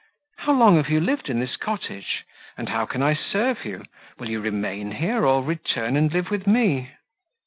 —"How long have you lived in this cottage—and how can I serve you? Will you remain here, or return and live with me?"